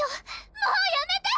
もうやめて！